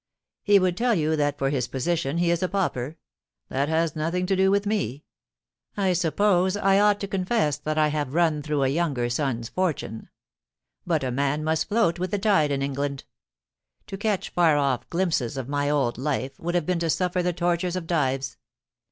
* He would tell you that for his position he is a pauper. That has nothing to do with me. I suppose I ought to con fess that I have run through a younger son's fortune. But a man must float with the tide in England. To catch far off glimpses of my old life would have been to suffer the tortures of Dives.